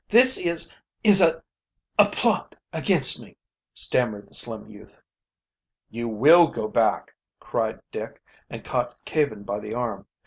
This is is a a plot against me," stammered the slim youth. "You will go back!" cried Dick, and caught Caven by the arm.